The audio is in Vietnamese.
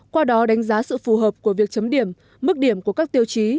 qua đó đánh giá sự phù hợp của việc chấm điểm mức điểm của các tiêu chí